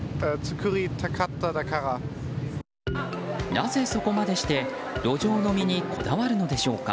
なぜ、そこまでして路上飲みにこだわるのでしょうか。